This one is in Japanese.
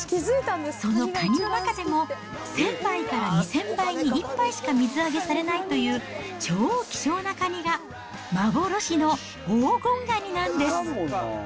そのカニの中でも、１０００杯から２０００杯に１杯しか水揚げされないという、超希少なカニが、幻の黄金蟹なんです。